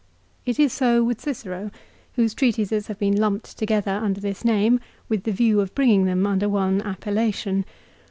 It is so with Cicero, whose treatises have been lumped together under this name with the view of bringing them under one appellation.